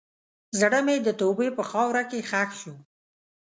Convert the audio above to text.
زړه مې د توبې په خاوره کې ښخ شو.